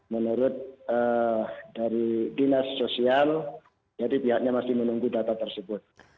menurut dari dinas sosial jadi pihaknya masih menunggu data tersebut